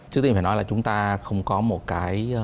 thứ tiền phải nói là chúng ta không có một cái